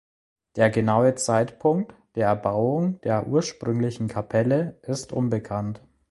Der genaue Zeitpunkt der Erbauung der ursprünglichen Kapelle ist unbekannt.